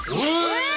えっ！